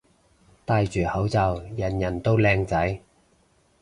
戴住口罩人人都靚仔